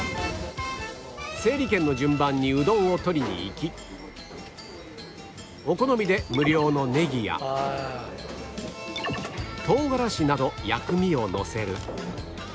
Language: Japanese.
整理券の順番にうどんを取りに行きお好みで無料のネギや唐辛子など薬味をのせる